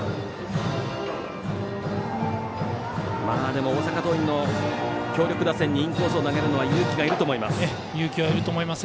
でも大阪桐蔭の強力打線にインコースを投げるのは勇気がいると思います。